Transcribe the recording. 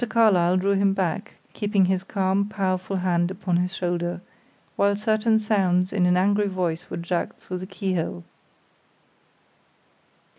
Carlyle drew him back, keeping his calm, powerful hand upon his shoulder, while certain sounds in an angry voice were jerked through the keyhole.